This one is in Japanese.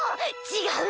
違う！